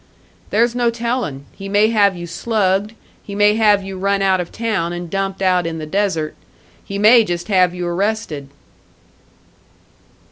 "There's no telling. He may have you slugged; he may have you run out of town and dumped out in the desert; he may just have you arrested."